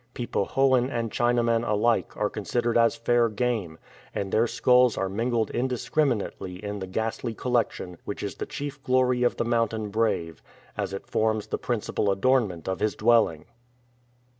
Pe po hoan and Chinaman alike are considered as fair game, and their skulls are mingled indiscriminately in the ghastly collection which is the chief glory of the mountain brave, as it forms the principal adornment of his dwelling.